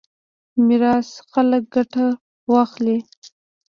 میراث څخه ګټه واخلي.